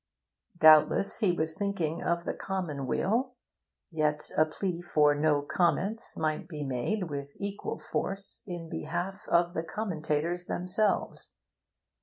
Doubtless he was thinking of the commonweal. Yet a plea for no comments might be made, with equal force, in behalf of the commentators themselves.